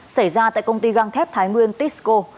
xảy ra tại công ty găng thép thái nguyên tisco